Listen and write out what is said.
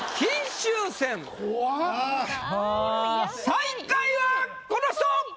最下位はこの人！